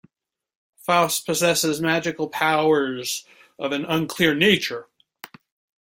Faust possesses magical powers of an unclear nature.